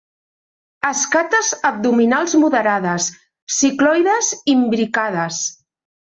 Escates abdominals moderades, cicloides, imbricades.